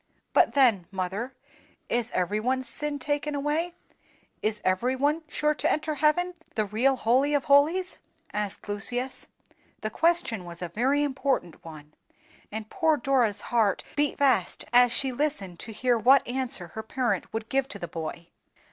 "But then, mother, is every one's sin taken away, is every one sure to enter heaven, the real Holy of holies?" asked Lucius. The question was a very important one, and poor Dora's heart beat fast as she listened to hear what answer her parent would give to the boy.